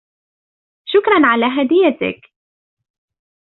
شكرا على هديتك.